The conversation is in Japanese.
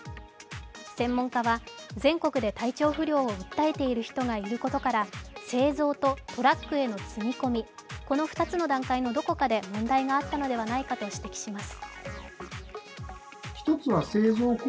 専門家は全国で体調不良を訴えている人がいることから製造とトラックへの積み込み、この２つの段階のどこかで問題があったのではないかと指摘しています。